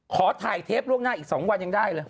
ขอถ่ายเทปล่วงหน้าอีก๒วันยังได้เลย